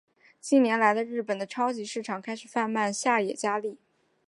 近年来日本的超级市场开始贩卖下野家例。